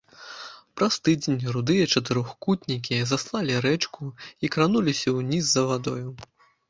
Праз тыдзень рудыя чатырохкутнікі заслалі рэчку і крануліся ўніз за вадою.